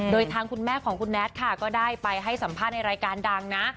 โดยทางคุณแม่ของคุณแน็ตค่ะก็ได้ไปให้สัมภาษณ์ในรายการดังนะ